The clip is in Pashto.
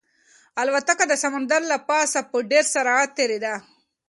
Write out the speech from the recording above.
الوتکه د سمندر له پاسه په ډېر سرعت تېرېده.